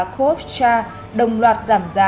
co op char đồng loạt giảm giá